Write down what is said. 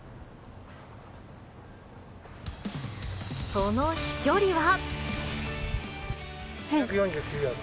その飛距離は。